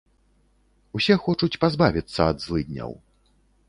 Усе хочуць пазбавіцца ад злыдняў.